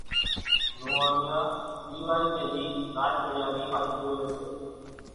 زوئاڻيا ۮيواري ني ۮي راچ پڙيا نِي واٽ زوئي سي